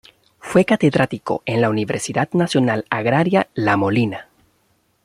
Fue catedrático en la Universidad Nacional Agraria La Molina.